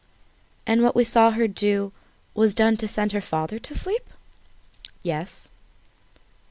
"And what we saw her do was done to send her father to sleep?" "Yes."